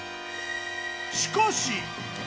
しかし。